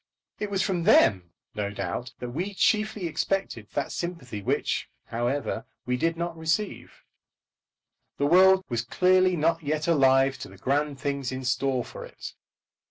It was from them, no doubt, that we chiefly expected that sympathy which, however, we did not receive. The world was clearly not yet alive to the grand things in store for it.